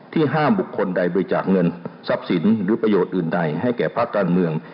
ที่ห้ามบุคคลใดบริจาคเงิน